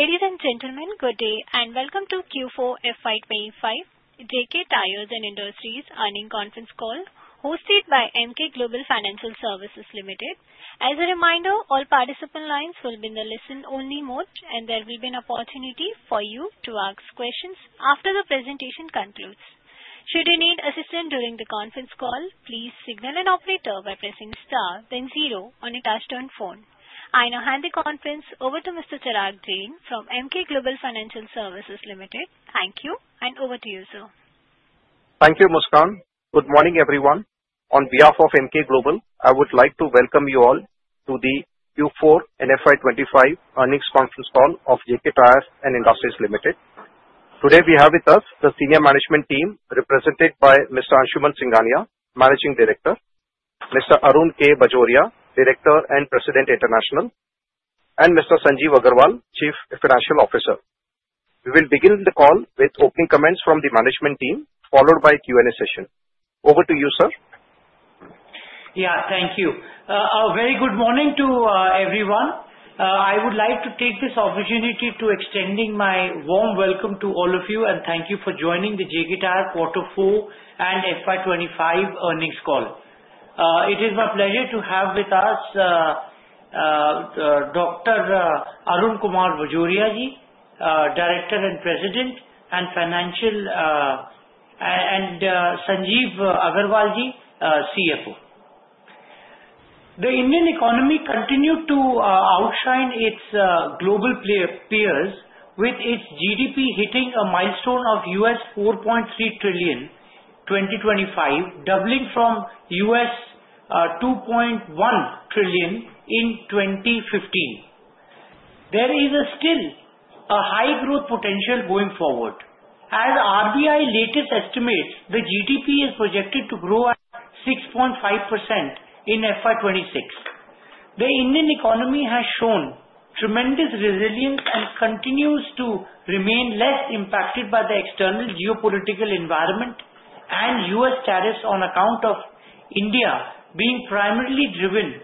Ladies and gentlemen, good day, and welcome to Q4 FY 2025 JK Tyre & Industries Earnings Conference Call hosted by Emkay Global Financial Services Limited. As a reminder, all participant lines will be in the listen-only mode, and there will be an opportunity for you to ask questions after the presentation concludes. Should you need assistance during the conference call, please signal an operator by pressing star, then zero on your touch-tone phone. I now hand the conference over to Mr. Chirag Jain from Emkay Global Financial Services Limited. Thank you, and over to you, sir. Thank you, Muskan. Good morning, everyone. On behalf of Emkay Global, I would like to welcome you all to the Q4 FY 2025 Earnings Conference Call of JK Tyre & Industries Limited. Today, we have with us the senior management team represented by Mr. Anshuman Singhania, Managing Director, Mr. Arun K. Bajoria, Director and President International, and Mr. Sanjeev Aggarwal, Chief Financial Officer. We will begin the call with opening comments from the management team, followed by a Q&A session. Over to you, sir. Yeah, thank you. A very good morning to everyone. I would like to take this opportunity to extend my warm welcome to all of you, and thank you for joining the JK Tyre Quarter Four and FY25 earnings call. It is my pleasure to have with us Dr. Arun Kumar Bajoria ji, Director and President, and Sanjeev Aggarwal ji, CFO. The Indian economy continued to outshine its global peers, with its GDP hitting a milestone of $4.3 trillion in 2025, doubling from $2.1 trillion in 2015. There is still a high growth potential going forward. As RBI latest estimates, the GDP is projected to grow at 6.5% in FY 2026. The Indian economy has shown tremendous resilience and continues to remain less impacted by the external geopolitical environment and U.S. tariffs on account of India being primarily driven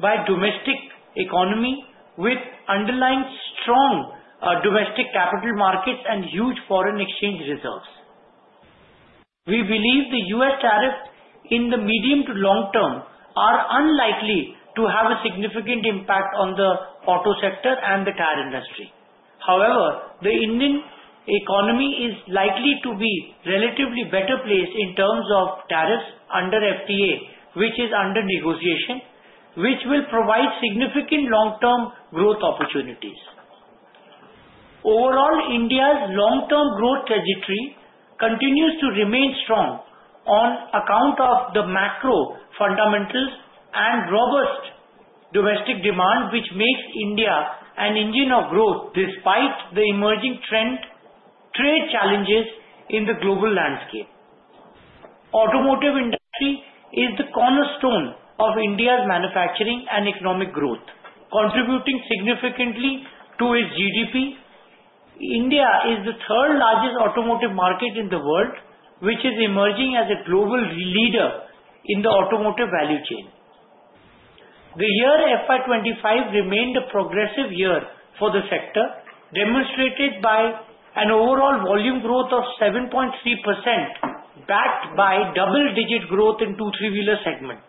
by domestic economy, with underlying strong domestic capital markets and huge foreign exchange reserves. We believe the U.S. tariffs in the medium to long term are unlikely to have a significant impact on the auto sector and the tyre industry. However, the Indian economy is likely to be relatively better placed in terms of tariffs under FTA, which is under negotiation, which will provide significant long-term growth opportunities. Overall, India's long-term growth trajectory continues to remain strong on account of the macro fundamentals and robust domestic demand, which makes India an engine of growth despite the emerging trade challenges in the global landscape. Automotive industry is the cornerstone of India's manufacturing and economic growth, contributing significantly to its GDP. India is the third-largest automotive market in the world, which is emerging as a global leader in the automotive value chain. The year FY 2025 remained a progressive year for the sector, demonstrated by an overall volume growth of 7.3% backed by double-digit growth in the two-three-wheeler segment.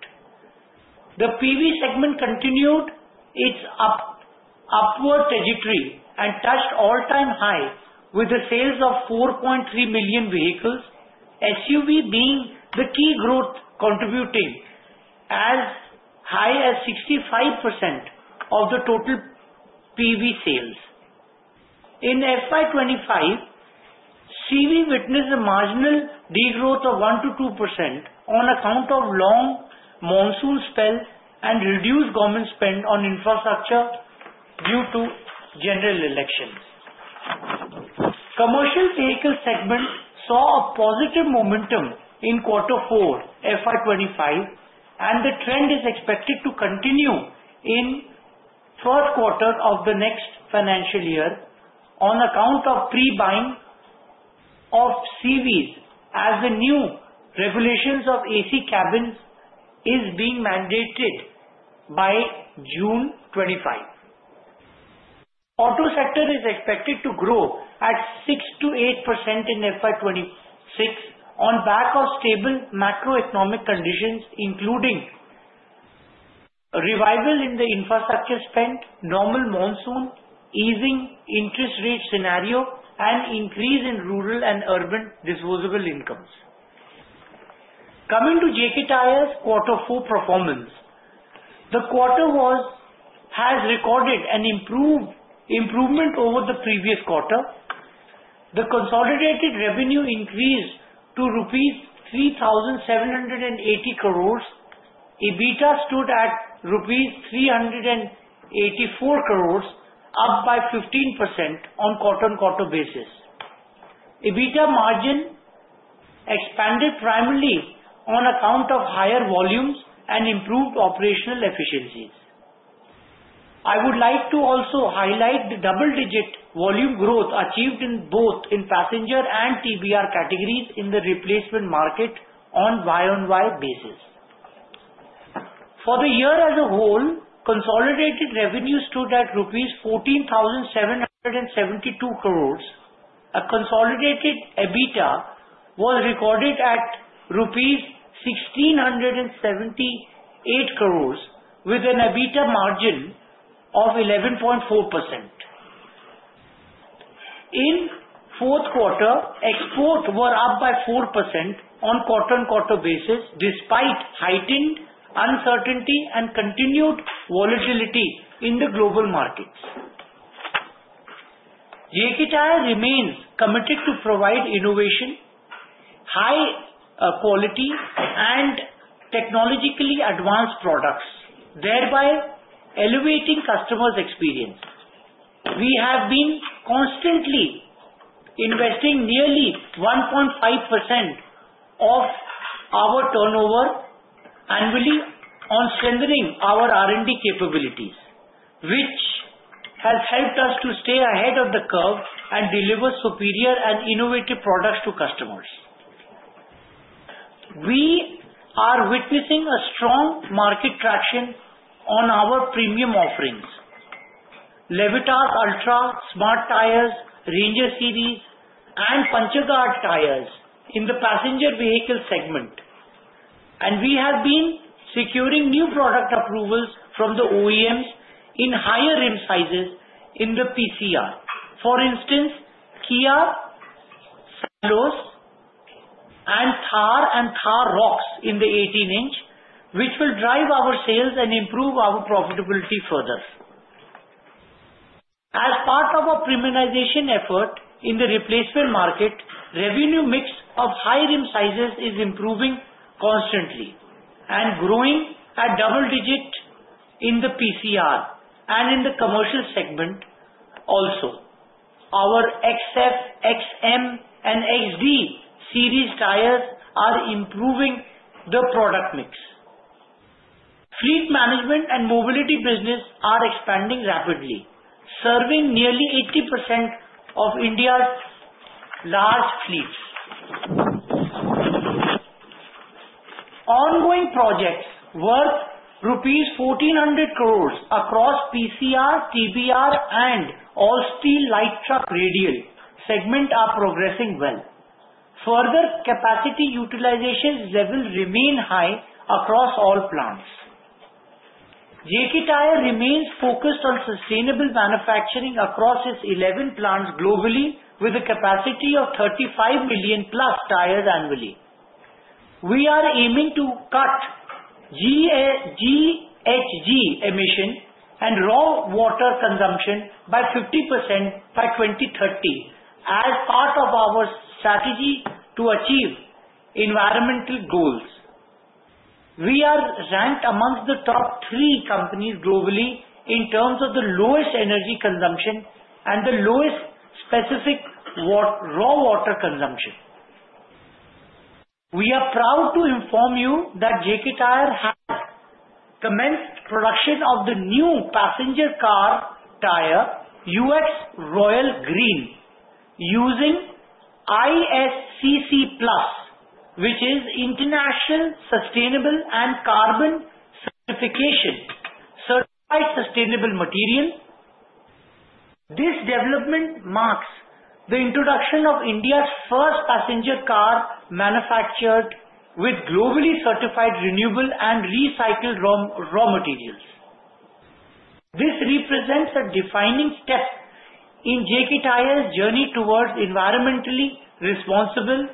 The PV segment continued its upward trajectory and touched all-time high with the sales of 4.3 million vehicles, SUV being the key growth contributing as high as 65% of the total PV sales. In FY 2025, CV witnessed a marginal degrowth of 1%-2% on account of a long monsoon spell and reduced government spend on infrastructure due to general elections. The commercial vehicle segment saw a positive momentum in quarter four FY 2025, and the trend is expected to continue in the first quarter of the next financial year on account of pre-buying of CVs as the new regulations of AC cabins are being mandated by June 25. The auto sector is expected to grow at 6%-8% in FY 2026 on the back of stable macroeconomic conditions, including revival in the infrastructure spend, normal monsoon, easing interest rate scenario, and increase in rural and urban disposable incomes. Coming to JK Tyre's quarter four performance, the quarter has recorded an improvement over the previous quarter. The consolidated revenue increased to 3,780 crores rupees. EBITDA stood at 384 crores rupees, up by 15% on a quarter-on-quarter basis. EBITDA margin expanded primarily on account of higher volumes and improved operational efficiencies. I would like to also highlight the double-digit volume growth achieved both in PCR and TBR categories in the replacement market on a YoY basis. For the year as a whole, consolidated revenue stood at rupees 14,772 crores. A consolidated EBITDA was recorded at rupees 1,678 crores, with an EBITDA margin of 11.4%. In the fourth quarter, exports were up by 4% on a quarter-on-quarter basis, despite heightened uncertainty and continued volatility in the global markets. JK Tyre remains committed to providing innovation, high quality, and technologically advanced products, thereby elevating customers' experience. We have been constantly investing nearly 1.5% of our turnover annually on strengthening our R&D capabilities, which has helped us to stay ahead of the curve and deliver superior and innovative products to customers. We are witnessing a strong market traction on our premium offerings, Levitas Ultra, Smart Tyres, Ranger series, and Puncture Guard tires in the passenger vehicle segment. We have been securing new product approvals from the OEMs in higher rim sizes in the PCR. For instance, Kia Seltos and Thar and Thar ROXX in the 18-inch, which will drive our sales and improve our profitability further. As part of our premiumization effort in the replacement market, the revenue mix of high rim sizes is improving constantly and growing at double digits in the PCR and in the commercial segment also. Our XF, XM, and XD series tires are improving the product mix. Fleet management and mobility business are expanding rapidly, serving nearly 80% of India's large fleets. Ongoing projects worth rupees 1,400 crores across PCR, TBR, and all-steel light truck radial segments are progressing well. Further capacity utilization levels remain high across all plants. JK Tyre remains focused on sustainable manufacturing across its 11 plants globally, with a capacity of 35+ million tires annually. We are aiming to cut GHG emissions and raw water consumption by 50% by 2030 as part of our strategy to achieve environmental goals. We are ranked amongst the top three companies globally in terms of the lowest energy consumption and the lowest specific raw water consumption. We are proud to inform you that JK Tyre has commenced production of the new passenger car tire, UX Royale Green, using ISCC PLUS, which is International Sustainability and Carbon Certification-certified sustainable material. This development marks the introduction of India's first passenger car manufactured with globally certified renewable and recycled raw materials. This represents a defining step in JK Tyre's journey towards environmentally responsible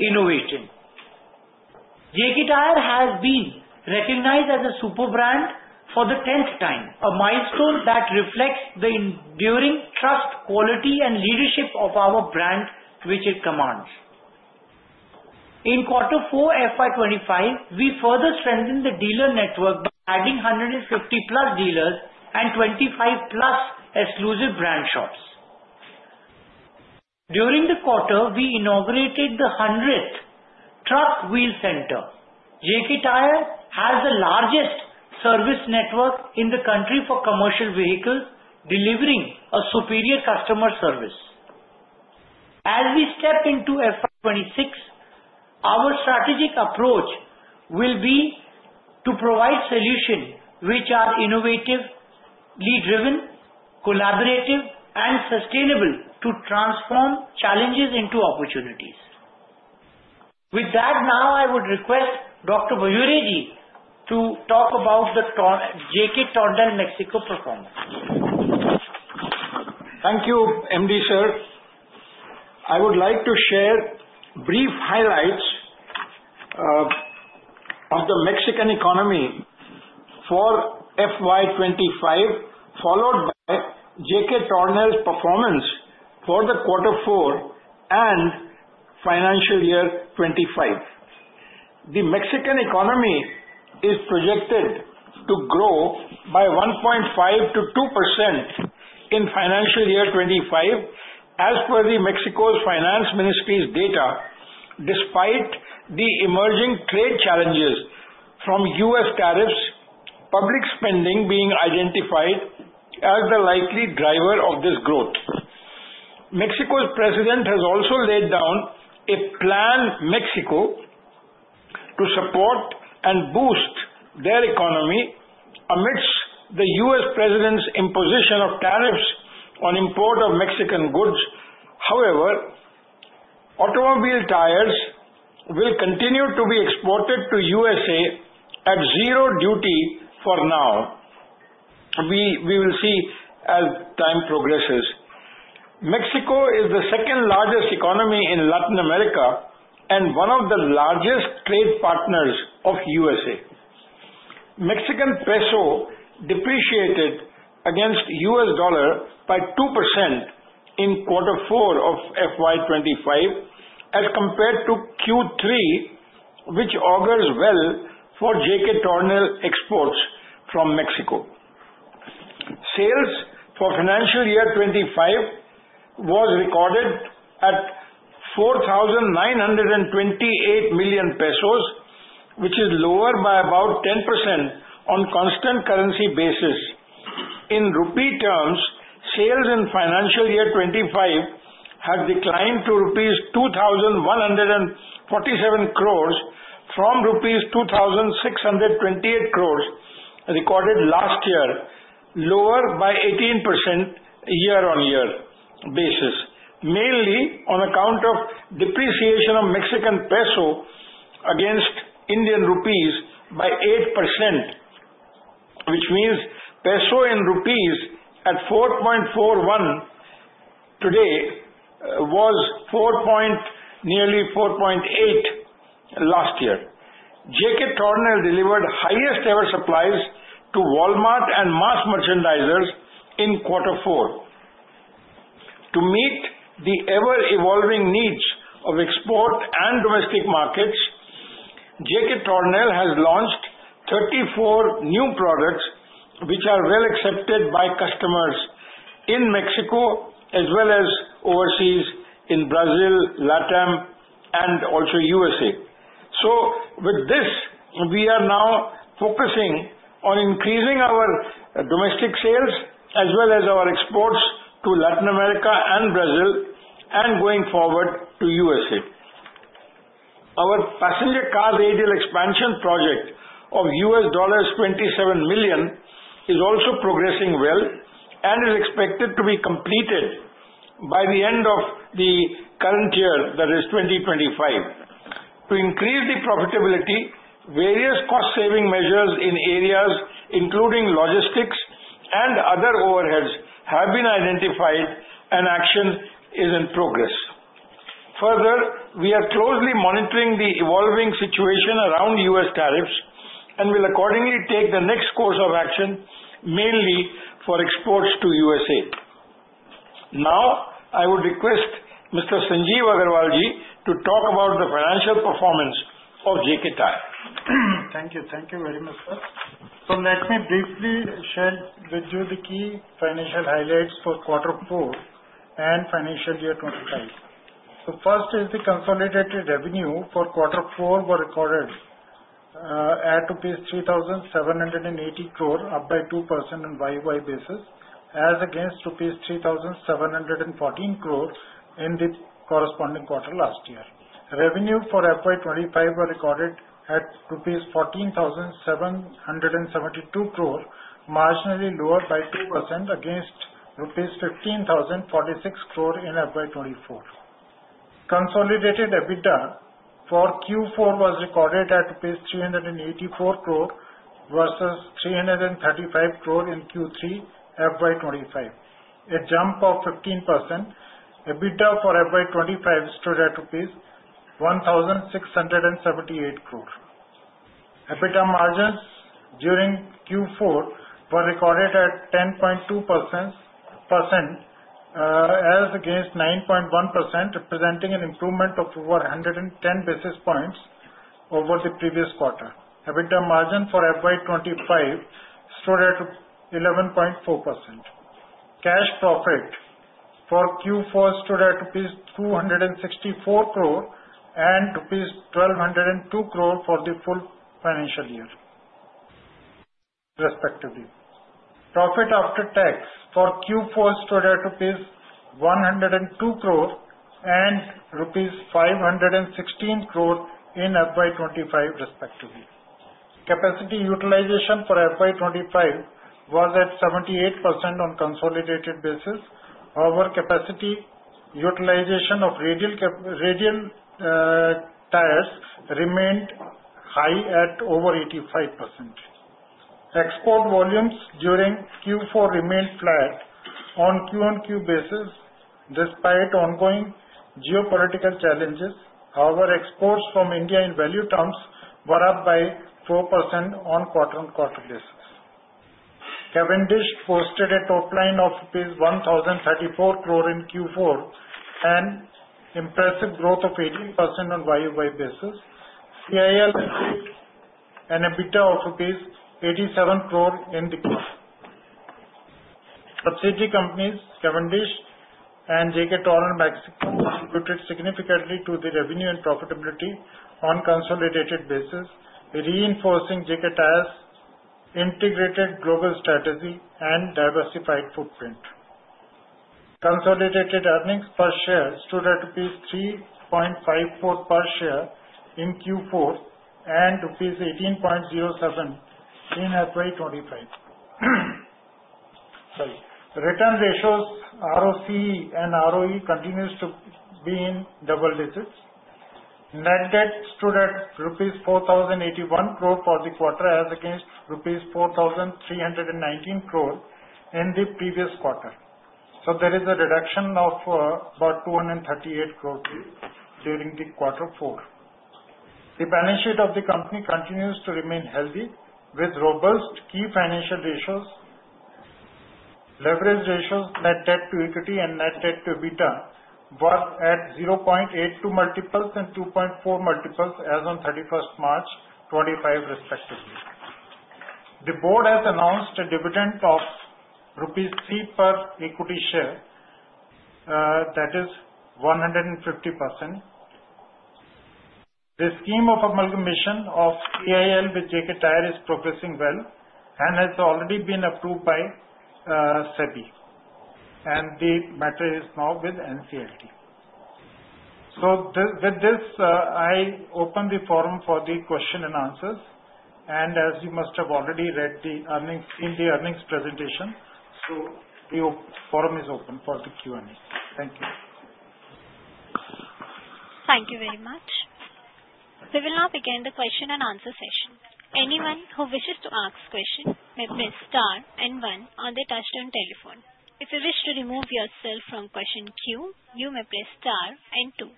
innovation. JK Tyre has been recognized as a Superbrand for the tenth time, a milestone that reflects the enduring trust, quality, and leadership of our brand, which it commands. In Q4 FY 2025, we further strengthened the dealer network by adding 150+ dealers and 25+ exclusive brand shops. During the quarter, we inaugurated the 100th Truck Wheel Center. JK Tyre has the largest service network in the country for commercial vehicles, delivering superior customer service. As we step into FY 2026, our strategic approach will be to provide solutions which are innovatively driven, collaborative, and sustainable to transform challenges into opportunities. With that, now I would request Dr. Bajoria ji to talk about the JK Tyre & Industries Mexico performance. Thank you, MD, sir. I would like to share brief highlights of the Mexican economy for FY 2025, followed by JK Tyre's performance for the quarter four and financial year 2025. The Mexican economy is projected to grow by 1.5%-2% in financial year 25, as per Mexico's finance ministry's data, despite the emerging trade challenges from U.S. tariffs, public spending being identified as the likely driver of this growth. Mexico's president has also laid down a plan for Mexico to support and boost their economy amidst the U.S. president's imposition of tariffs on import of Mexican goods. However, automobile tyres will continue to be exported to the USA at zero duty for now. We will see as time progresses. Mexico is the second-largest economy in Latin America and one of the largest trade partners of the USA. Mexican peso depreciated against the US dollar by 2% in quarter four of FY 2025, as compared to Q3, which augurs well for JK Tyre exports from Mexico. Sales for financial year 2025 were recorded at 4,928 million pesos, which is lower by about 10% on a constant currency basis. In Rupee terms, sales in financial year 2025 have declined to rupees 2,147 crores from rupees 2,628 crores recorded last year, lower by 18% year-on-year basis, mainly on account of the depreciation of the Mexican peso against Indian rupees by 8%, which means peso in rupees at 4.41 today was nearly 4.8 last year. JK Tyre delivered the highest-ever supplies to Walmart and mass merchandisers in quarter four. To meet the ever-evolving needs of export and domestic markets, JK Tyre has launched 34 new products, which are well accepted by customers in Mexico as well as overseas in Brazil, LatAm, and also the USA. With this, we are now focusing on increasing our domestic sales as well as our exports to Latin America and Brazil, and going forward to the USA. Our passenger car radial expansion project of $27 million is also progressing well and is expected to be completed by the end of the current year, that is 2025. To increase profitability, various cost-saving measures in areas including logistics and other overheads have been identified, and action is in progress. Further, we are closely monitoring the evolving situation around U.S. tariffs and will accordingly take the next course of action, mainly for exports to the USA. Now, I would request Mr. Sanjeev Aggarwal ji to talk about the financial performance of JK Tyre. Thank you. Thank you very much, sir. So, let me briefly share with you the key financial highlights for quarter four and financial year 2025. So, first is the consolidated revenue for quarter four, which was recorded at rupees 3,780 crores, up by 2% on a YoY basis, as against rupees 3,714 crores in the corresponding quarter last year. Revenue for FY 2025 was recorded at INR 14,772 crores, marginally lower by 2% against INR 15,046 crores in FY 2024. Consolidated EBITDA for Q4 was recorded at 384 crores versus 335 crores in Q3 FY 2025, a jump of 15%. EBITDA for FY 2025 stood at rupees 1,678 crores. EBITDA margins during Q4 were recorded at 10.2%, as against 9.1%, representing an improvement of over 110 basis points over the previous quarter. EBITDA margin for FY 2025 stood at 11.4%. Cash profit for Q4 stood at rupees 264 crores and rupees 1,202 crores for the full financial year, respectively. Profit after tax for Q4 stood at rupees 102 crores and rupees 516 crores in FY 2025, respectively. Capacity utilization for FY 2025 was at 78% on a consolidated basis. However, capacity utilization of radial tires remained high at over 85%. Export volumes during Q4 remained flat on a QoQ basis, despite ongoing geopolitical challenges. However, exports from India in value terms were up by 4% on a quarter-on-quarter basis. Cavendish posted a top line of INR 1,034 crores in Q4 and impressive growth of 18% on a YoY basis. CIL achieved an EBITDA of INR 87 crores in the Q4. Subsidiary companies, Cavendish and JK Tornel Mexico, contributed significantly to the revenue and profitability on a consolidated basis, reinforcing JK Tyre's integrated global strategy and diversified footprint. Consolidated earnings per share stood at 3.54 per share in Q4 and 18.07 in FY 2025. Return ratios, ROCE and ROE, continued to be in double digits. Net debt stood at rupees 4,081 crores for the quarter, as against rupees 4,319 crores in the previous quarter. So, there is a reduction of about 238 crores during quarter four. The balance sheet of the company continues to remain healthy, with robust key financial ratios. Leverage ratios, net debt to equity, and net debt to EBITDA were at 0.82 multiples and 2.4 multiples as on 31st March 2025, respectively. The Board has announced a dividend of INR 3 per equity share, that is 150%. The scheme of amalgamation of CIL with JK Tyre is progressing well and has already been approved by SEBI, and the matter is now with NCLT. So, with this, I open the forum for the questions and answers. And as you must have already read the earnings presentation, so the forum is open for the Q&A. Thank you. Thank you very much. We will now begin the question and answer session. Anyone who wishes to ask a question may press star and one on the touch-tone telephone. If you wish to remove yourself from question queue, you may press star and two.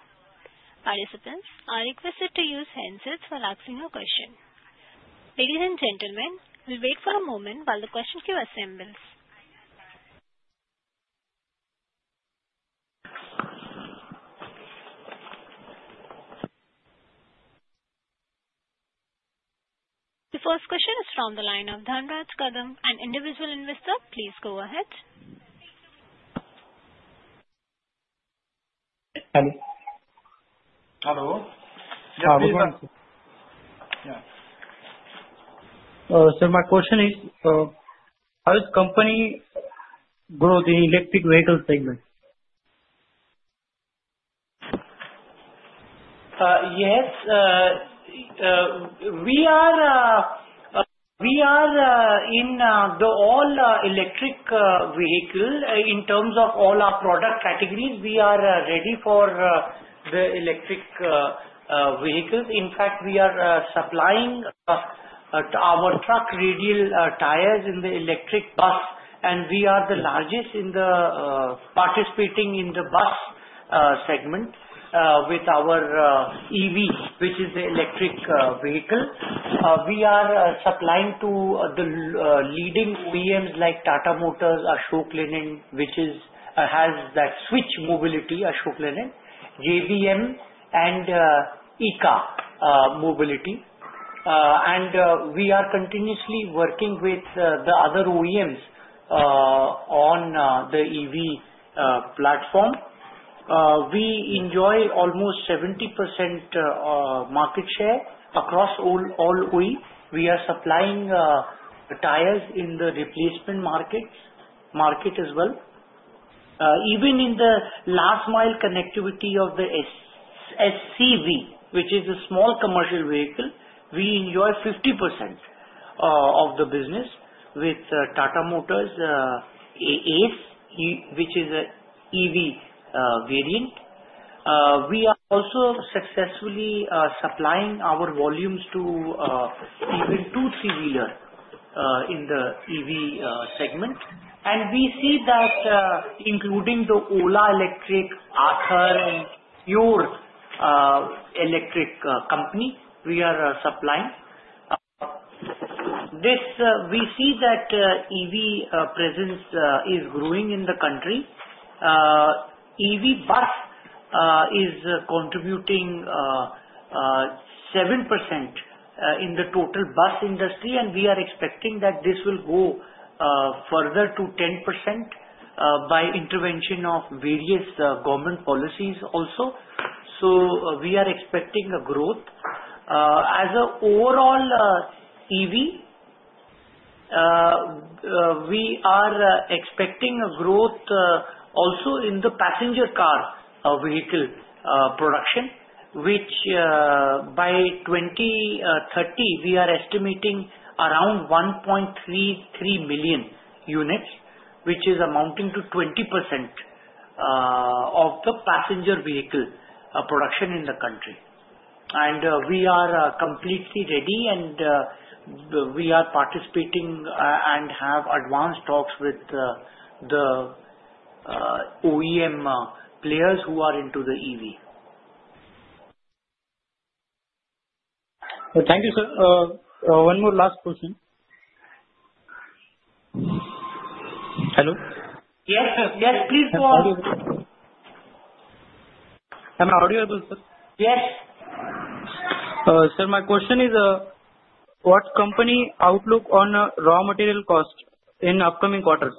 Participants are requested to use handsets while asking your question. Ladies and gentlemen, we'll wait for a moment while the question queue assembles. The first question is from the line of Dhanraj Kadam, an individual investor. Please go ahead. Hello. Hello. Yeah, this one. Yeah. Sir, my question is, how is the company growing in the electric vehicle segment? Yes. We are in the all-electric vehicle in terms of all our product categories. We are ready for the electric vehicles. In fact, we are supplying our truck radial tyres in the electric bus, and we are the largest in the participating in the bus segment with our EV, which is the electric vehicle. We are supplying to the leading OEMs like Tata Motors, Ashok Leyland, which has that Switch Mobility, Ashok Leyland, JBM, and EKA Mobility and we are continuously working with the other OEMs on the EV platform. We enjoy almost 70% market share across all OEMs. We are supplying tyres in the replacement market as well. Even in the last-mile connectivity of the SCV, which is a small commercial vehicle, we enjoy 50% of the business with Tata Motors, Ace, which is an EV variant. We are also successfully supplying our volumes to even two three-wheelers in the EV segment, and we see that, including the Ola Electric, Ather, and PURE EV company, we are supplying. We see that EV presence is growing in the country. EV bus is contributing 7% in the total bus industry, and we are expecting that this will go further to 10% by intervention of various government policies also. We are expecting a growth. As an overall EV, we are expecting a growth also in the passenger car vehicle production, which by 2030, we are estimating around 1.33 million units, which is amounting to 20% of the passenger vehicle production in the country. We are completely ready, and we are participating and have advanced talks with the OEM players who are into the EV. Thank you, sir. One more last question. Hello. Yes, sir. Yes, please go ahead. Am I audible? Yes. Sir, my question is, what is the company outlook on raw material costs in the upcoming quarter?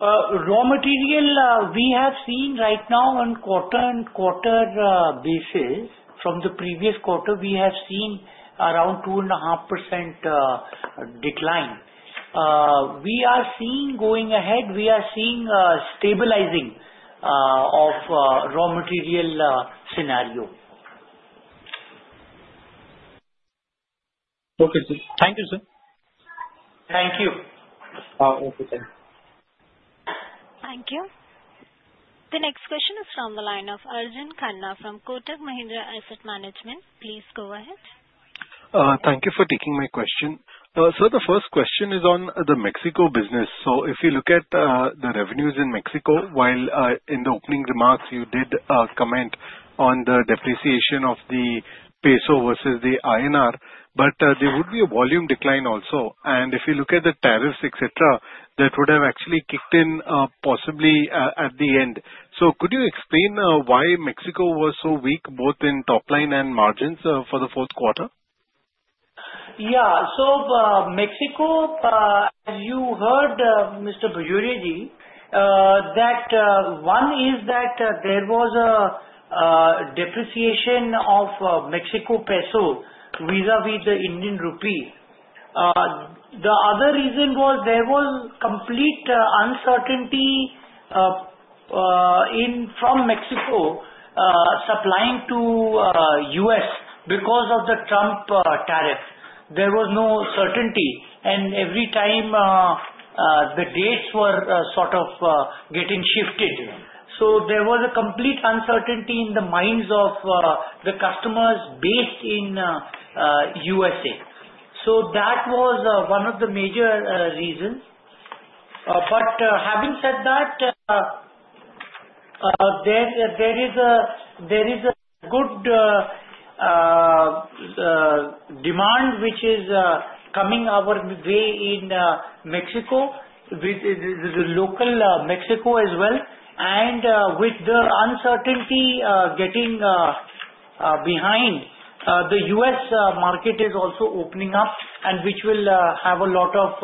Raw material, we have seen right now on quarter-on-quarter basis. From the previous quarter, we have seen around 2.5% decline. We are seeing going ahead, we are seeing stabilizing of the raw material scenario. Okay, sir. Thank you, sir. Thank you. Thank you. The next question is from the line of Arjun Khanna from Kotak Mahindra Asset Management. Please go ahead. Thank you for taking my question. Sir, the first question is on the Mexico business. So, if you look at the revenues in Mexico, while in the opening remarks, you did comment on the depreciation of the peso versus the INR, but there would be a volume decline also. And if you look at the tariffs, etc., that would have actually kicked in possibly at the end. So, could you explain why Mexico was so weak, both in top line and margins, for the fourth quarter? Yeah. Mexico, as you heard, Mr. Bajoria ji, that one is that there was a depreciation of Mexican peso vis-à-vis the Indian rupee. The other reason was there was complete uncertainty from Mexico supplying to the U.S. because of the Trump tariff. There was no certainty. Every time, the dates were sort of getting shifted. So, there was a complete uncertainty in the minds of the customers based in the USA. That was one of the major reasons. But having said that, there is a good demand which is coming our way in Mexico, with the local Mexico as well. With the uncertainty getting behind, the U.S. market is also opening up, which will have a lot of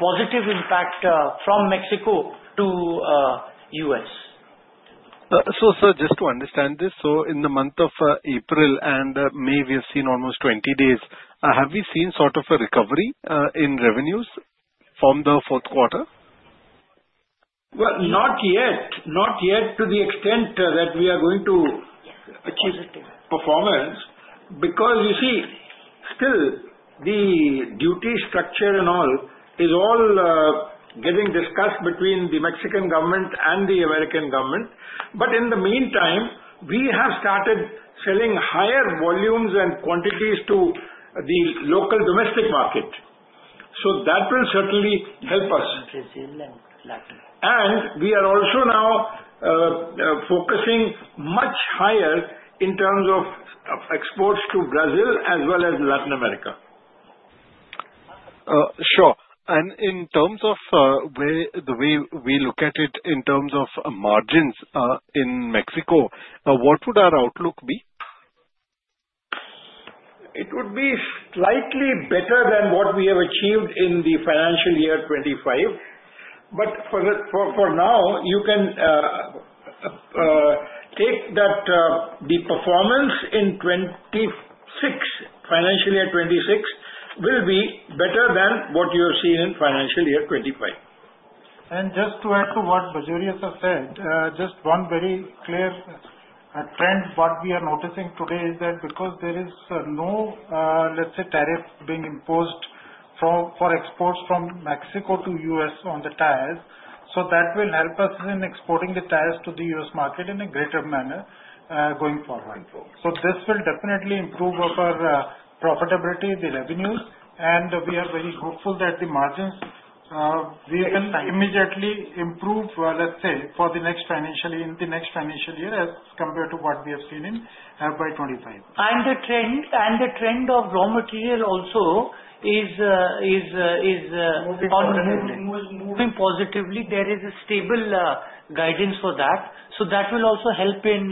positive impact from Mexico to the U.S. Sir, just to understand this, so in the month of April and May, we have seen almost 20 days. Have we seen sort of a recovery in revenues from the fourth quarter? Not yet. Not yet to the extent that we are going to achieve performance. Because you see, still, the duty structure and all is getting discussed between the Mexican government and the American government. But in the meantime, we have started selling higher volumes and quantities to the local domestic market. That will certainly help us. We are also now focusing much higher in terms of exports to Brazil as well as Latin America. Sure. And in terms of the way we look at it in terms of margins in Mexico, what would our outlook be? It would be slightly better than what we have achieved in the financial year 2025. But for now, you can take that the performance in financial year 2026 will be better than what you have seen in financial year 2025. Just to add to what Bajoria sir said, just one very clear trend, what we are noticing today is that because there is no, let's say, tariff being imposed for exports from Mexico to the U.S. on the tyres, so that will help us in exporting the tires to the U.S. market in a greater manner going forward. So, this will definitely improve our profitability, the revenues, and we are very hopeful that the margins will immediately improve, let's say, for the next financial year, in the next financial year as compared to what we have seen in 2025. And the trend of raw material also is moving positively. There is a stable guidance for that. So, that will also help in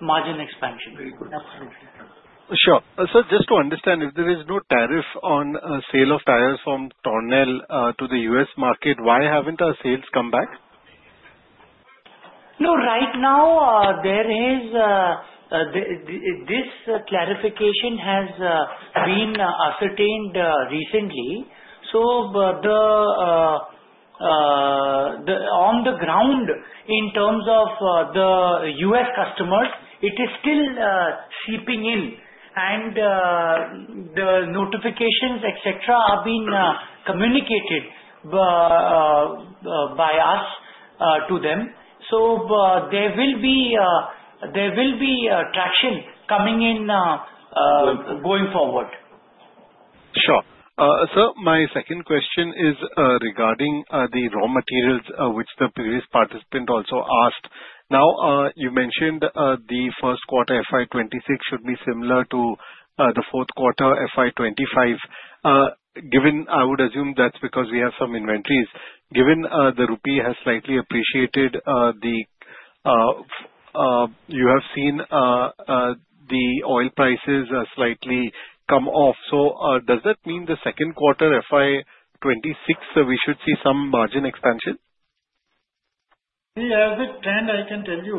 margin expansion. Sure. Sir, just to understand, if there is no tariff on sale of tyres from Tornel to the U.S. market, why haven't our sales come back? No, right now, this clarification has been ascertained recently. So, on the ground, in terms of the U.S. customers, it is still seeping in. And the notifications, etc., have been communicated by us to them. So, there will be traction coming in going forward. Sure. Sir, my second question is regarding the raw materials, which the previous participant also asked. Now, you mentioned the first quarter FY 2026 should be similar to the fourth quarter FY 2025. I would assume that's because we have some inventories. Given the rupee has slightly appreciated, you have seen the oil prices slightly come off. So, does that mean the second quarter FY 2026, we should see some margin expansion? We have a trend, I can tell you,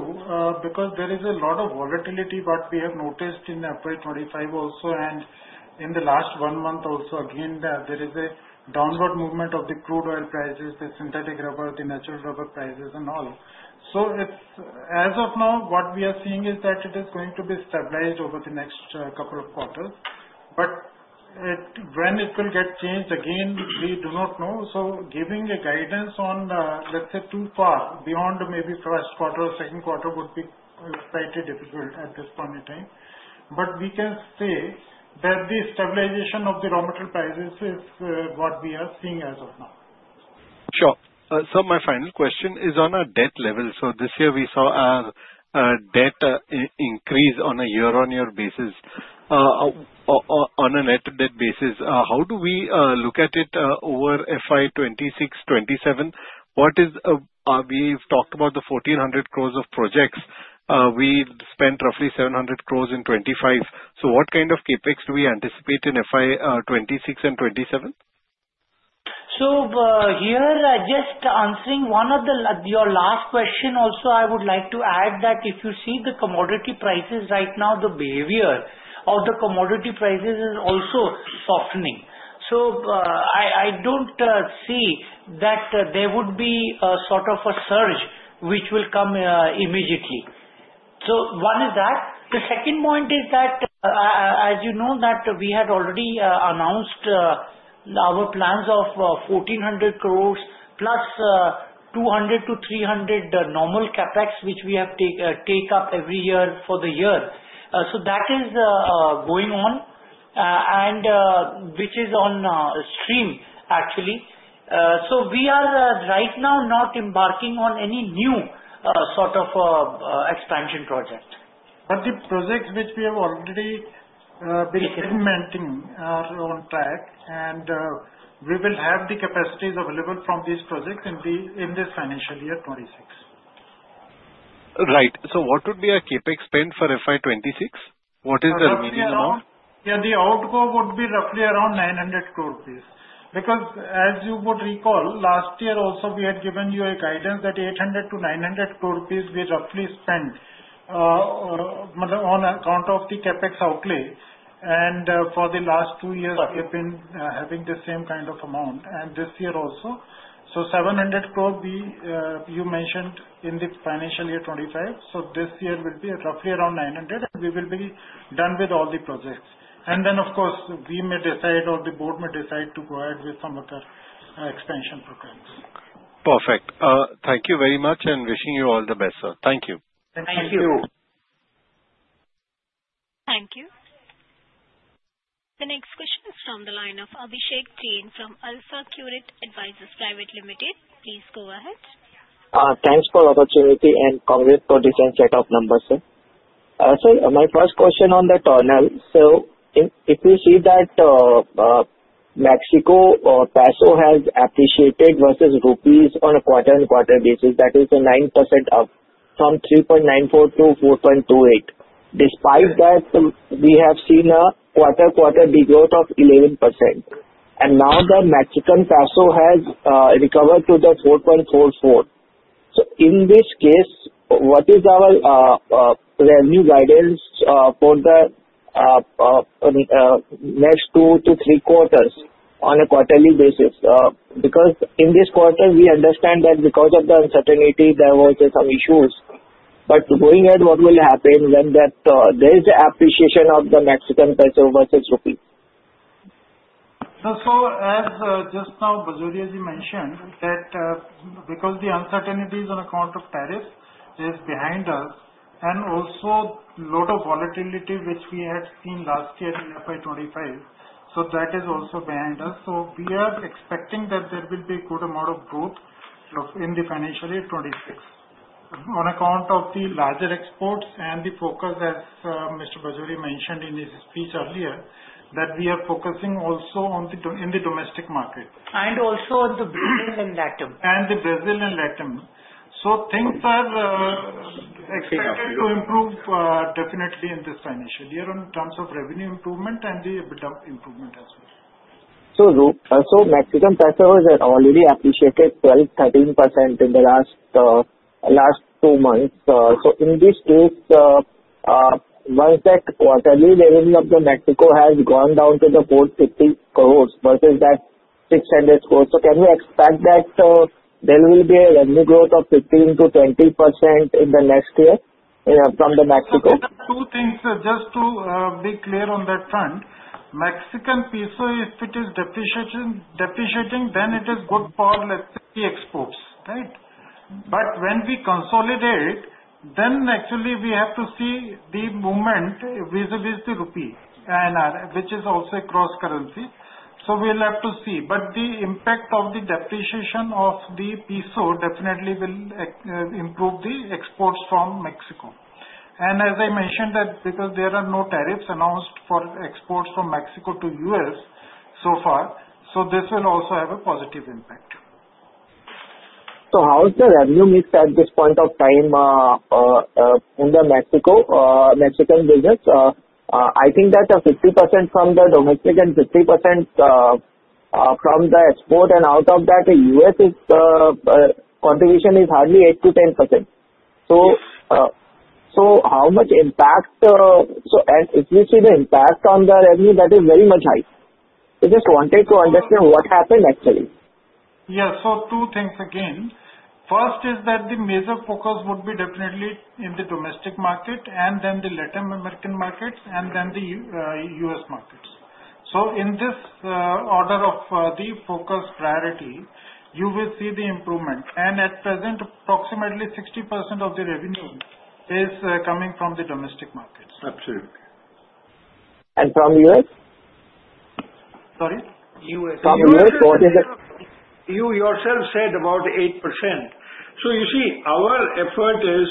because there is a lot of volatility what we have noticed in FY 2025 also. And in the last one month also, again, there is a downward movement of the crude oil prices, the synthetic rubber, the natural rubber prices, and all. So, as of now, what we are seeing is that it is going to be stabilized over the next couple of quarters. But when it will get changed again, we do not know. So, giving a guidance on, let's say, too far beyond maybe first quarter or second quarter would be slightly difficult at this point in time. But we can say that the stabilization of the raw material prices is what we are seeing as of now. Sure. Sir, my final question is on our debt level. So, this year, we saw our debt increase on a year-on-year basis, on a net debt basis. How do we look at it over FY 2026, 2027? We've talked about the 1,400 crores of projects. We spent roughly 700 crores in 2025. So, what kind of CapEx do we anticipate in FY 2026 and 2027? So, here, just answering one of your last questions, also, I would like to add that if you see the commodity prices right now, the behavior of the commodity prices is also softening. So, I don't see that there would be sort of a surge which will come immediately. So, one is that. The second point is that, as you know, we had already announced our plans of 1,400 crores plus 200-300 normal CapEx, which we have to take up every year for the year. So, that is going on, which is on stream, actually. So, we are right now not embarking on any new sort of expansion project. But the projects which we have already been implementing are on track, and we will have the capacities available from these projects in this financial year 2026. Right. So, what would be our CapEx spend for FY 2026? What is the remaining amount? Yeah, the outgo would be roughly around 900 crore rupees. Because, as you would recall, last year also, we had given you a guidance that 800-900 crore rupees we roughly spent on account of the CapEx outlay. And for the last two years, we have been having the same kind of amount. And this year also, so, 700 crore you mentioned in the financial year 2025. So, this year will be roughly around 900 crore, and we will be done with all the projects. And then, of course, we may decide or the board may decide to provide with some other expansion programs. Perfect. Thank you very much and wishing you all the best, sir. Thank you. Thank you. Thank you. The next question is from the line of Abhishek Jain from AlfAccurate Advisors Private Limited. Please go ahead. Thanks for the opportunity and congrats for this set of numbers. Sir, my first question on the Tornel. So, if we see that Mexican peso has appreciated versus rupees on a quarter-on-quarter basis, that is a 9% up from 3.94-4.28. Despite that, we have seen a quarter-on-quarter growth of 11%. And now, the Mexican peso has recovered to the 4.44. So, in this case, what is our revenue guidance for the next two to three quarters on a quarterly basis? Because in this quarter, we understand that because of the uncertainty, there were some issues. But going ahead, what will happen when there is the appreciation of the Mexican peso versus rupees? So, as just now Bajoria ji mentioned, that because the uncertainties on account of tariffs is behind us, and also a lot of volatility which we had seen last year in FY 2025, so that is also behind us. So, we are expecting that there will be a good amount of growth in the financial year '26 on account of the larger exports and the focus, as Mr. Bajoria mentioned in his speech earlier, that we are focusing also in the domestic market. And also on the Brazilian LatAm. The Brazilian LatAm. Things are expected to improve definitely in this financial year in terms of revenue improvement and the EBITDA improvement as well. Mexican peso has already appreciated 12%-13% in the last two months. In this case, once that quarterly revenue of Mexico has gone down to the 450 crores versus that 600 crores, so can we expect that there will be a revenue growth of 15%-20% in the next year from Mexico? Two things, sir. Just to be clear on that front. Mexican peso, if it is depreciating, then it is good for, let's say, the exports, right? But when we consolidate, then actually we have to see the movement vis-à-vis the rupee, which is also a cross currency. So, we'll have to see. But the impact of the depreciation of the peso definitely will improve the exports from Mexico. And as I mentioned, because there are no tariffs announced for exports from Mexico to the U.S. so far, so this will also have a positive impact. How is the revenue mix at this point of time in Mexico, Mexican business? I think that 50% from the domestic and 50% from the export. Out of that, the US contribution is hardly 8%-10%. How much impact? If we see the impact on the revenue, that is very much high. I just wanted to understand what happened, actually. Yeah. So, two things again. First is that the major focus would be definitely in the domestic market and then the Latin American markets and then the U.S. markets. So, in this order of the focus priority, you will see the improvement. And at present, approximately 60% of the revenue is coming from the domestic markets. Absolutely. And from the U.S? Sorry? From the U.S., you yourself said about 8%. So, you see, our effort is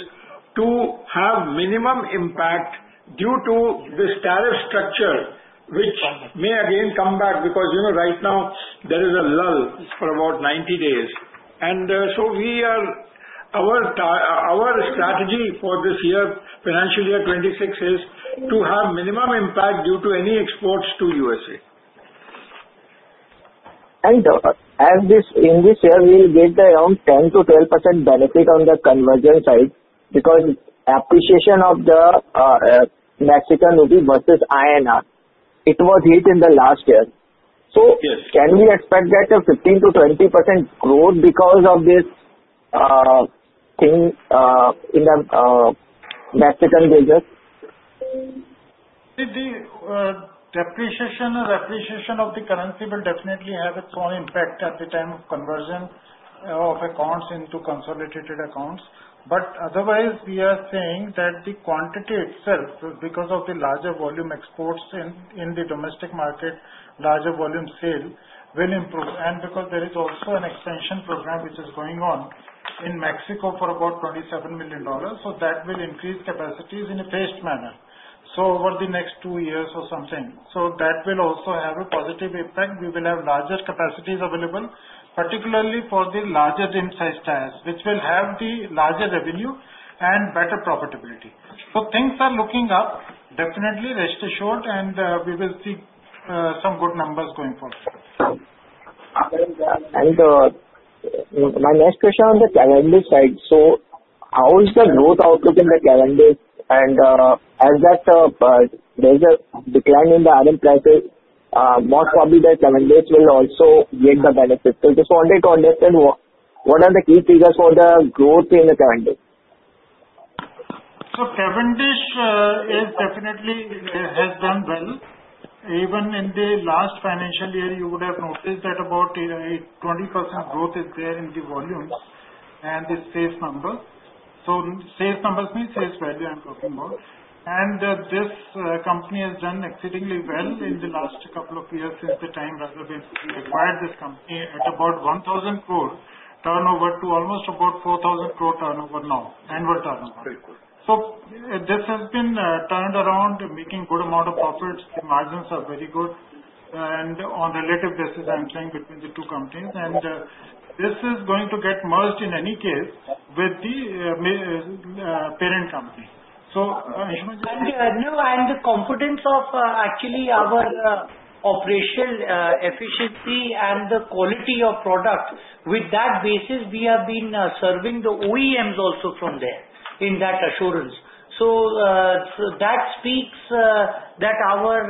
to have minimum impact due to this tariff structure, which may again come back because right now, there is a lull for about 90 days. Our strategy for this year, financial year 2026, is to have minimum impact due to any exports to the USA. In this year, we'll get around 10%-12% benefit on the currency side because of the appreciation of the Mexican peso versus INR. It was hit in the last year. So, can we expect that 15%-20% growth because of this thing in the Mexican business? The depreciation or appreciation of the currency will definitely have its own impact at the time of convergence of accounts into consolidated accounts. But otherwise, we are saying that the quantity itself, because of the larger volume exports in the domestic market, larger volume sale will improve. And because there is also an expansion program which is going on in Mexico for about $27 million, so that will increase capacities in a phased manner. So, over the next two years or something, so that will also have a positive impact. We will have larger capacities available, particularly for the larger in-size tyres, which will have the larger revenue and better profitability. So, things are looking up. Definitely, rest assured, and we will see some good numbers going forward. And my next question on the Cavendish side. So, how is the growth outlook in the Cavendish? And as that there's a decline in the iron prices, most probably the Cavendish will also get the benefit. So, just wanted to understand what are the key figures for the growth in the Cavendish? So, Cavendish definitely has done well. Even in the last financial year, you would have noticed that about 20% growth is there in the volumes and the sales numbers. So, sales numbers means sales value, I'm talking about. And this company has done exceedingly well in the last couple of years since the time we acquired this company at about 1,000 crore turnover to almost about 4,000 crore turnover now, annual turnover. So, this has been turned around, making a good amount of profits. The margins are very good. And on a relative basis, I'm saying between the two companies. And this is going to get merged, in any case, with the parent company. So, I should mention. And confidence of actually our operational efficiency and the quality of product. With that basis, we have been serving the OEMs also from there in that assurance. So, that speaks that our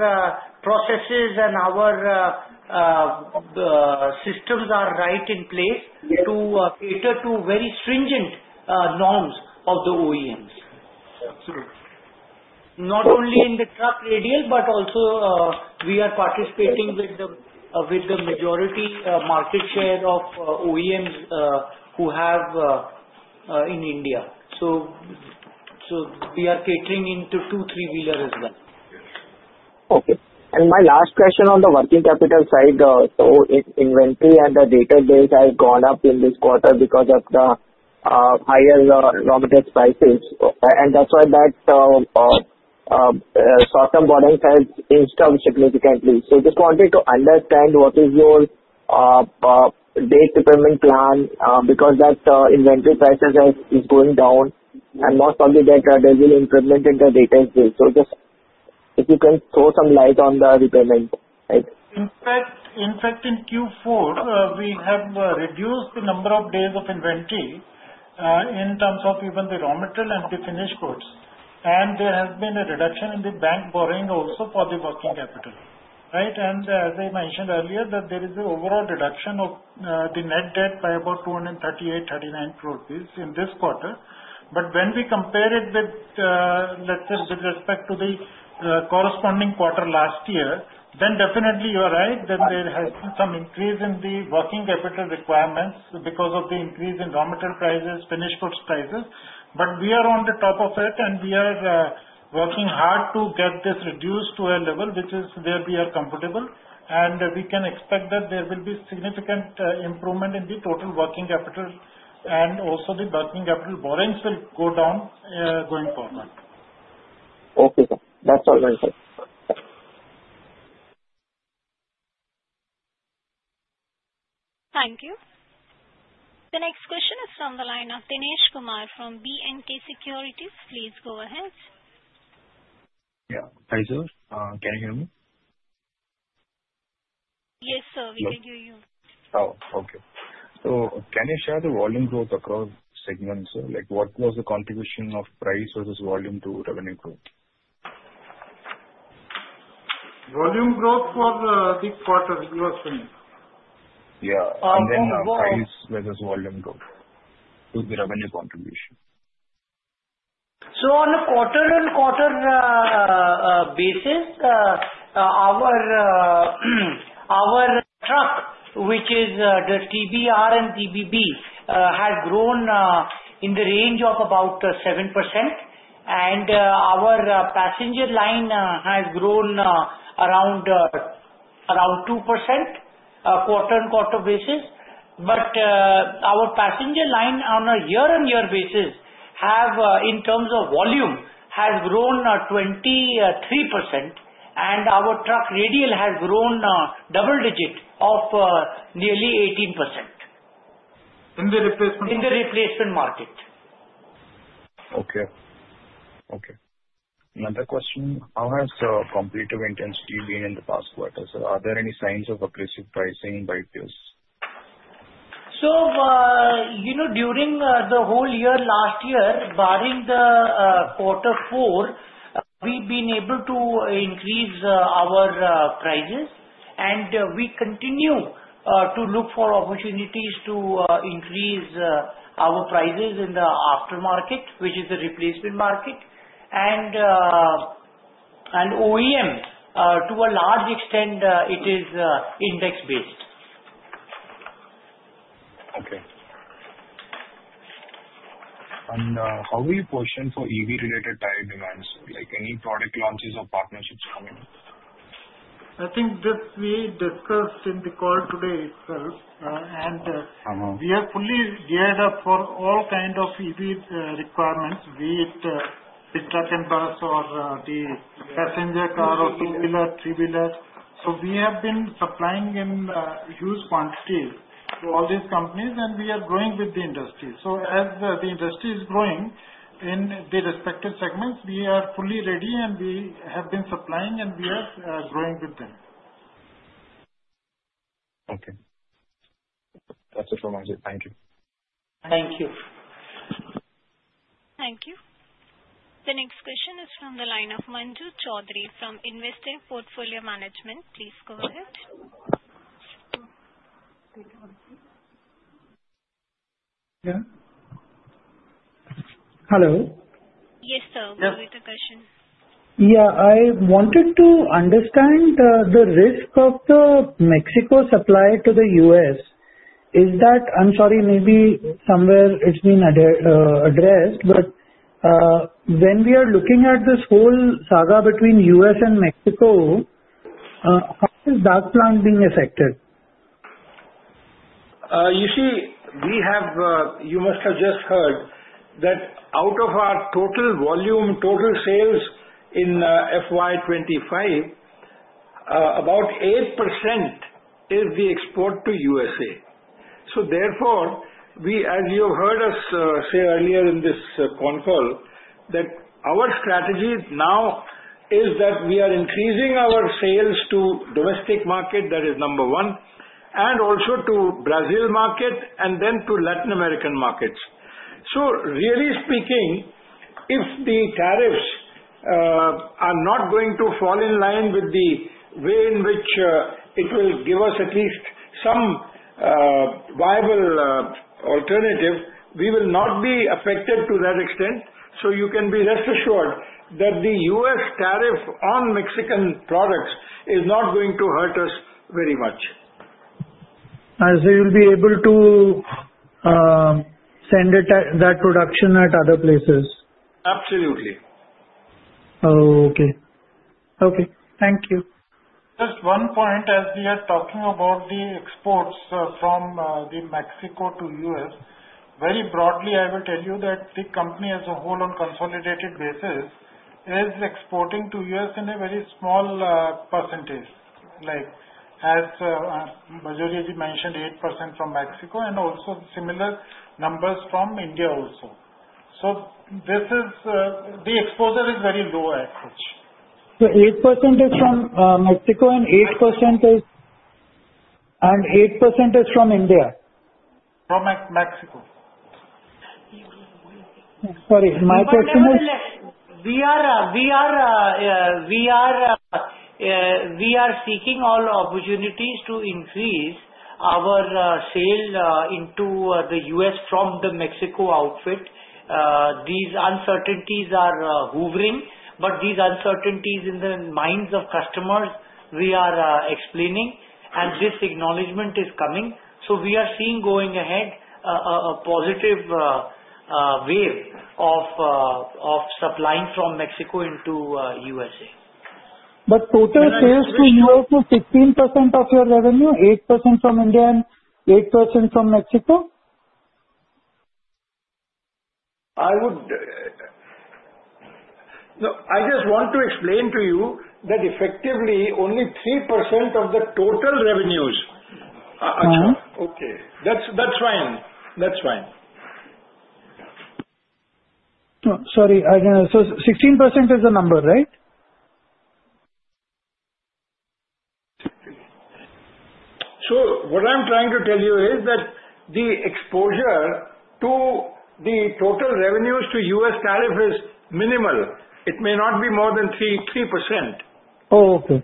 processes and our systems are right in place to cater to very stringent norms of the OEMs. Not only in the truck radial, but also we are participating with the majority market share of OEMs who have in India. So, we are catering into two three-wheeler as well. Okay. And my last question on the working capital side. So, inventory and the debtors have gone up in this quarter because of the higher raw material prices. And that's why that short-term borrowing has increased significantly. So, just wanted to understand what is your debt repayment plan because that inventory prices is going down, and most probably that there will be an increment in the debtors as well. So, just if you can throw some light on the repayment. In fact, in Q4, we have reduced the number of days of inventory in terms of even the raw material and the finished goods, and there has been a reduction in the bank borrowing also for the working capital, right? And as I mentioned earlier, that there is an overall reduction of the net debt by about 238.39 crore rupees in this quarter, but when we compare it with, let's say, with respect to the corresponding quarter last year, then definitely you are right that there has been some increase in the working capital requirements because of the increase in raw material prices, finished goods prices, but we are on the top of it, and we are working hard to get this reduced to a level which is where we are comfortable. We can expect that there will be significant improvement in the total working capital, and also the working capital borrowings will go down going forward. Okay, sir. That's all my side. Thank you. The next question is from the line of Dineshkumar from B&K Securities. Please go ahead. Yeah. Hi, sir. Can you hear me? Yes, sir. We can hear you. Oh, okay. So, can you share the volume growth across segments? What was the contribution of price versus volume to revenue growth? Volume growth for the quarter was fine. Yeah, and then price versus volume growth to the revenue contribution? So, on a quarter-on-quarter basis, our truck, which is the TBR and TBB, has grown in the range of about 7%. And our passenger line has grown around 2% quarter-on-quarter basis. But our passenger line on a year-on-year basis, in terms of volume, has grown 23%. And our truck radial has grown double-digit of nearly 18%. In the replacement market? In the replacement market. Okay. Another question. How has competitive intensity been in the past quarter? So, are there any signs of aggressive pricing by peer? During the whole year last year, barring the quarter four, we've been able to increase our prices. We continue to look for opportunities to increase our prices in the aftermarket, which is the replacement market. OEM, to a large extent, it is index-based. Okay. And how will you position for EV-related tire demands? Any product launches or partnerships coming? I think this, we discussed in the call today itself, and we are fully geared up for all kinds of EV requirements, be it the truck and bus or the passenger car or two-wheeler, three-wheeler, so we have been supplying in huge quantities to all these companies, and we are growing with the industry, so as the industry is growing in the respective segments, we are fully ready, and we have been supplying, and we are growing with them. Okay. That's it from my side. Thank you. Thank you. Thank you. The next question is from the line of Manju Choudhary from InvestSavvy Portfolio Management. Please go ahead. Yeah. Hello. Yes, sir. We have a question. Yeah. I wanted to understand the risk of the Mexico supply to the U.S. Is that? I'm sorry, maybe somewhere it's been addressed, but when we are looking at this whole saga between U.S. and Mexico, how is that plant being affected? You see, we have, you must have just heard, that out of our total volume, total sales in FY 2025, about 8% is the export to USA. So, therefore, as you heard us say earlier in this conference, that our strategy now is that we are increasing our sales to the domestic market, that is number one, and also to the Brazil market, and then to Latin American markets. So, really speaking, if the tariffs are not going to fall in line with the way in which it will give us at least some viable alternative, we will not be affected to that extent. You can be rest assured that the U.S. tariff on Mexican products is not going to hurt us very much. And so, you'll be able to send that production at other places? Absolutely. Oh, okay. Okay. Thank you. Just one point. As we are talking about the exports from Mexico to U.S., very broadly, I will tell you that the company as a whole, on a consolidated basis, is exporting to U.S. in a very small percentage. As Bajoria mentioned, 8% from Mexico and also similar numbers from India also. So, the exposure is very low, actually. So, 8% is from Mexico and 8% is from India? From Mexico. Sorry. My question is. We are seeking all opportunities to increase our sales into the U.S. from the Mexico outfit. These uncertainties are hovering, but these uncertainties in the minds of customers, we are explaining, and this acknowledgment is coming, so we are seeing going ahead a positive wave of supplying from Mexico into U.S.A. Total sales to U.S. is 16% of your revenue, 8% from India, and 8% from Mexico? I just want to explain to you that effectively, only 3% of the total revenues. Okay. That's fine. That's fine. Sorry. So, 16% is the number, right? What I'm trying to tell you is that the exposure to the total revenues to U.S. tariff is minimal. It may not be more than 3%. Oh, okay.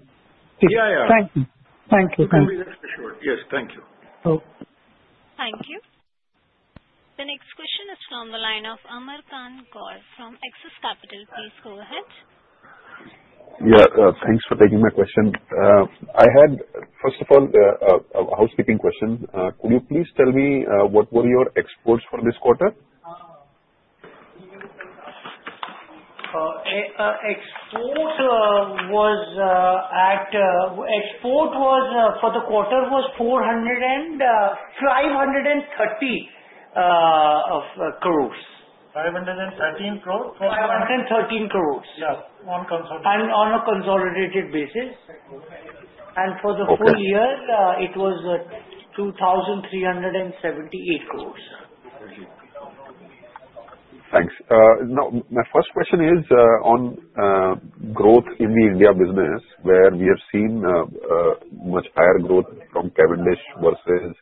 Thank you. Thank you. You can rest assured. Yes. Thank you. Thank you. The next question is from the line of Amar Kant Gaur from AXIS Capital. Please go ahead. Yeah. Thanks for taking my question. I had, first of all, a housekeeping question. Could you please tell me what were your exports for this quarter? Exports for the quarter was 513 crores. 513 crores? 513 crores. Yeah. On a consolidated basis. On a consolidated basis. For the full year, it was 2,378 crores. Thanks. Now, my first question is on growth in the India business, where we have seen much higher growth from Cavendish versus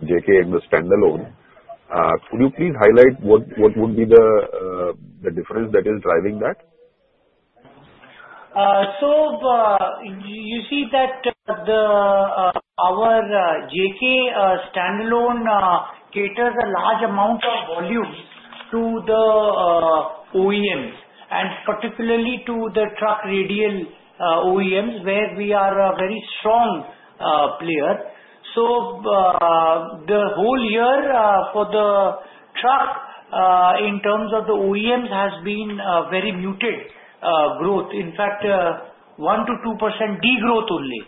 JK in the standalone. Could you please highlight what would be the difference that is driving that? You see that our JK standalone caters a large amount of volume to the OEMs, and particularly to the truck radial OEMs, where we are a very strong player. The whole year for the truck, in terms of the OEMs, has been a very muted growth. In fact, 1%-2% degrowth only.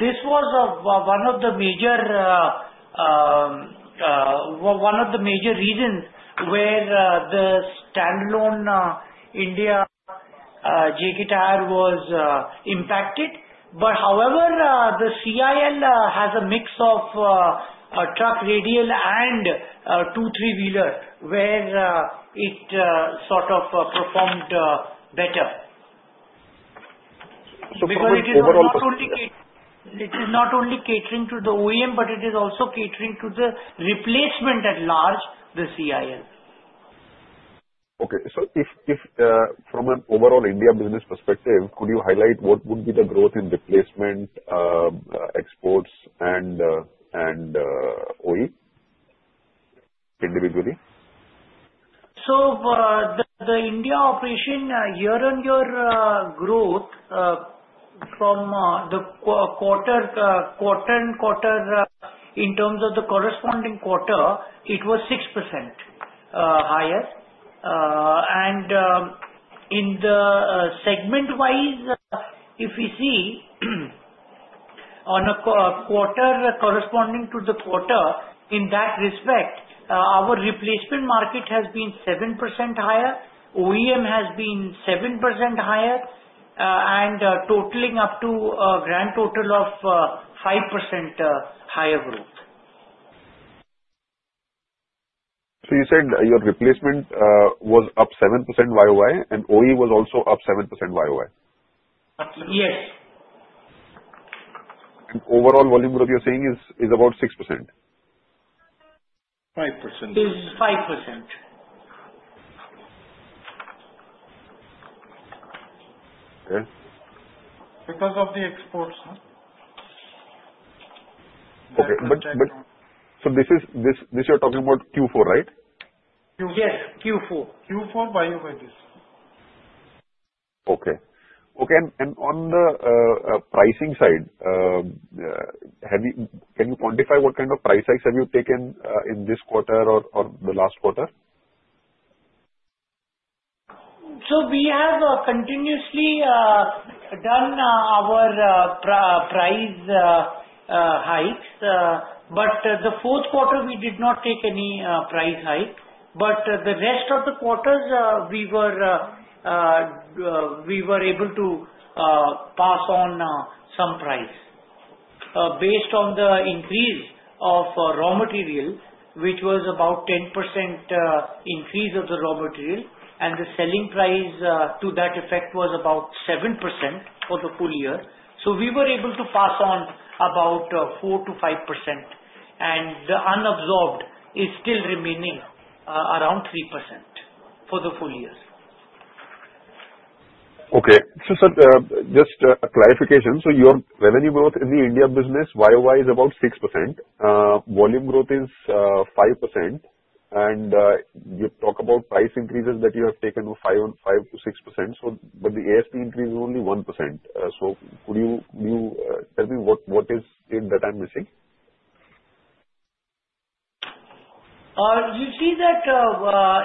This was one of the major reasons where the standalone India JK Tyre was impacted. However, the CIL has a mix of truck radial and two- and three-wheeler, where it sort of performed better. Because it is not only catering to the OEM, but it is also catering to the replacement at large, the CIL. Okay. So, from an overall India business perspective, could you highlight what would be the growth in replacement exports and OEM individually? The India operation year-on-year growth from the quarter and quarter, in terms of the corresponding quarter, it was 6% higher. In the segment-wise, if you see, on a quarter corresponding to the quarter, in that respect, our replacement market has been 7% higher, OEM has been 7% higher, and totaling up to a grand total of 5% higher growth. So, you said your replacement was up 7% YoY, and OE was also up 7% YoY? Yes. Overall volume growth, you're saying, is about 6%? 5%. It is 5%. Okay. Because of the exports. Okay. So, this you're talking about Q4, right? Yes. Q4. Q4 YoY. Okay. And on the pricing side, can you quantify what kind of price hikes have you taken in this quarter or the last quarter? We have continuously done our price hikes, but the fourth quarter, we did not take any price hike. But the rest of the quarters, we were able to pass on some price based on the increase of raw material, which was about 10% increase of the raw material. And the selling price to that effect was about 7% for the full year. So, we were able to pass on about 4%-5%. And the unabsorbed is still remaining around 3% for the full year. Okay. So, just a clarification. So, your revenue growth in the India business YoY is about 6%. Volume growth is 5%. And you talk about price increases that you have taken 5%-6%. But the ASP increase is only 1%. So, could you tell me what is it that I'm missing? You see that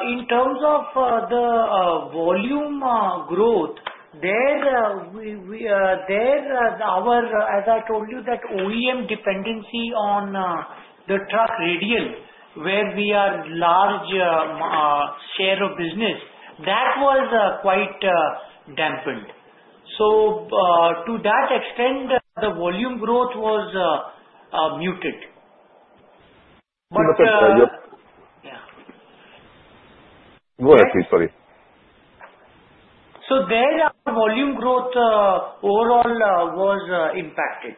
in terms of the volume growth, as I told you, that OEM dependency on the truck radial, where we are a large share of business, that was quite dampened, so to that extent, the volume growth was muted. Okay. Yeah. Go ahead, please. Sorry. So, there's a volume growth overall was impacted.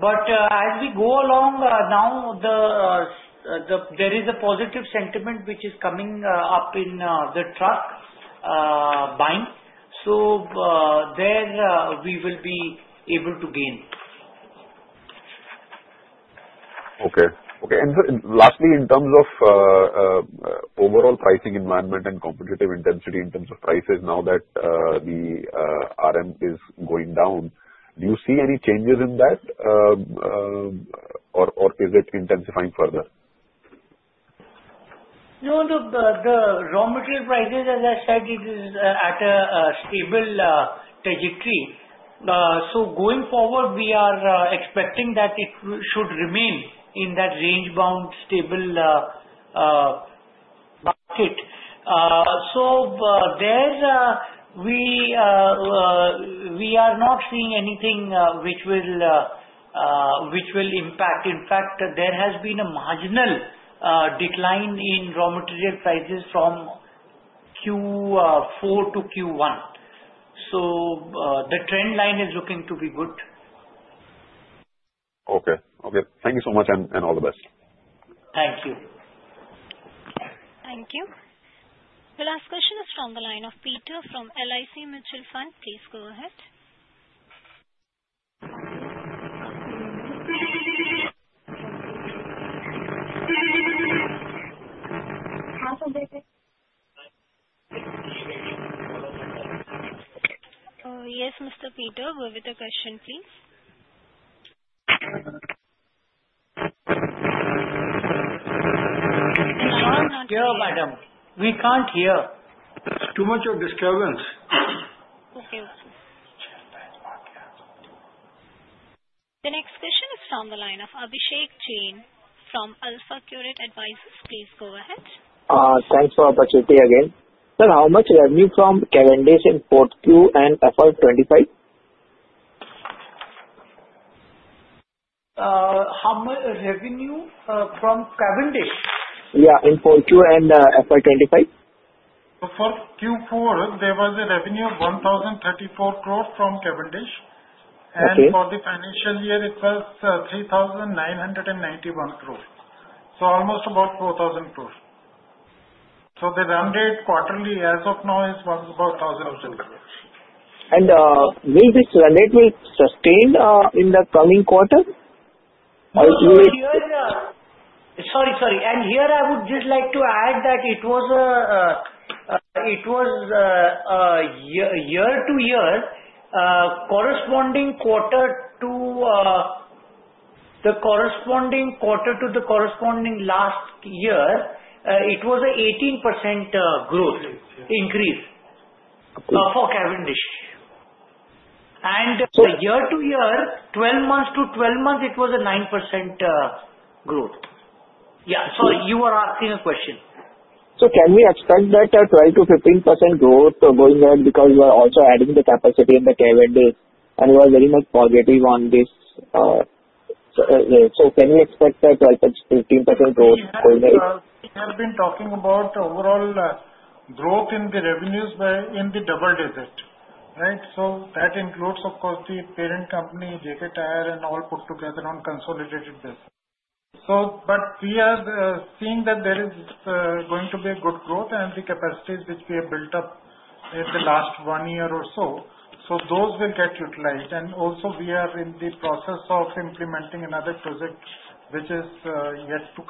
But as we go along now, there is a positive sentiment which is coming up in the truck buying. So, there we will be able to gain. Okay. And lastly, in terms of overall pricing environment and competitive intensity in terms of prices now that the RM is going down, do you see any changes in that, or is it intensifying further? No. The raw material prices, as I said, it is at a stable trajectory. So, going forward, we are expecting that it should remain in that range-bound stable market. So, there we are not seeing anything which will impact. In fact, there has been a marginal decline in raw material prices from Q4 to Q1. So, the trend line is looking to be good. Okay. Thank you so much and all the best. Thank you. Thank you. The last question is from the line of Peter from LIC Mutual Fund. Please go ahead. Yes, Mr. Peter. Go with the question, please. Hello. Hear, madam. We can't hear. Too much of disturbance. Okay. The next question is from the line of Abhishek Jain from AlfAccurate Advisors. Please go ahead. Thanks for the opportunity again. Sir, how much revenue from Cavendish in Q4 and FY 2025? How much revenue from Cavendish? Yeah. In Q4 and FY 2025? For Q4, there was a revenue of 1,034 crores from Cavendish. And for the financial year, it was 3,991 crores. So, almost about 4,000 crores. So, the run rate quarterly as of now is about 1,000 crores. Will this run rate be sustained in the coming quarter? Sorry. Sorry. And here, I would just like to add that it was year to year, corresponding quarter to the corresponding quarter to the corresponding last year. It was an 18% growth increase for Cavendish. And year to year, 12 months to 12 months, it was a 9% growth. Yeah. Sorry. You were asking a question. Can we expect that 12%-15% growth going ahead because we are also adding the capacity in the Cavendish? We are very much positive on this. Can we expect that 12%-15% growth going ahead? We have been talking about overall growth in the revenues in the double digit, right? So, that includes, of course, the parent company, JK Tyre, and all put together on a consolidated basis. But we are seeing that there is going to be a good growth and the capacities which we have built up in the last one year or so. So, those will get utilized. And also, we are in the process of implementing another project which is yet to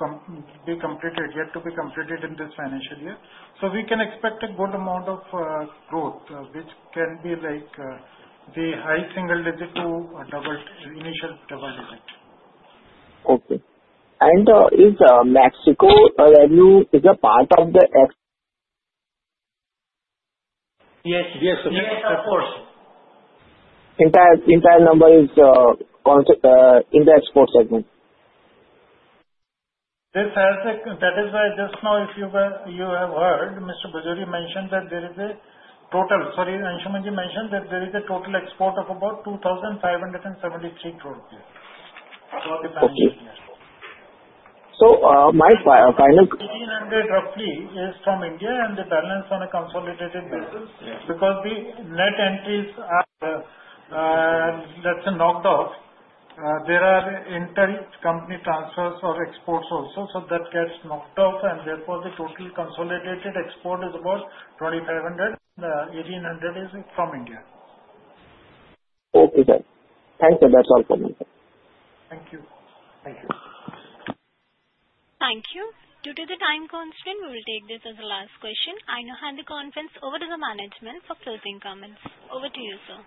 be completed in this financial year. So, we can expect a good amount of growth, which can be like the high single digit to initial double digit. Okay. And is Mexico revenue part of the? Yes. Yes. Of course. Entire number is in the export segment. That is why just now, if you have heard, Mr. Bajoria mentioned that there is a total, sorry, Anshuman ji mentioned that there is a total export of about 2,573 crores rupees for the financial year. So, my final. 1,800 crores roughly is from India, and the balance on a consolidated basis. Because the net entries are knocked off, there are intercompany transfers or exports also. So, that gets knocked off. And therefore, the total consolidated export is about 2,500 crores. 1,800 crores is from India. Okay. Thank you. That's all from me. Thank you. Thank you. Thank you. Due to the time constraint, we will take this as a last question. I now hand the conference over to the management for closing comments. Over to you, sir.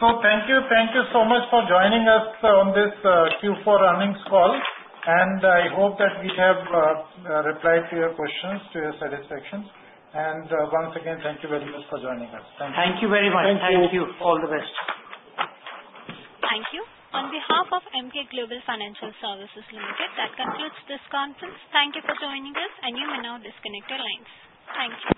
So, thank you. Thank you so much for joining us on this Q4 earnings call. And I hope that we have replied to your questions to your satisfaction. And once again, thank you very much for joining us. Thank you. Thank you very much. Thank you All the best. Thank you. On behalf of Emkay Global Financial Services Limited, that concludes this conference. Thank you for joining us, and you may now disconnect your lines. Thank you.